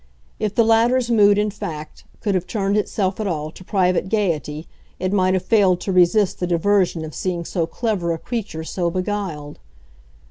If the latter's mood, in fact, could have turned itself at all to private gaiety it might have failed to resist the diversion of seeing so clever a creature so beguiled.